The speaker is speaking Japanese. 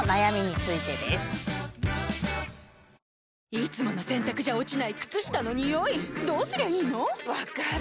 いつもの洗たくじゃ落ちない靴下のニオイどうすりゃいいの⁉分かる。